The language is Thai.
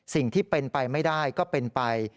สิ่งที่เป็นไปไม่ได้ก็เป็นไป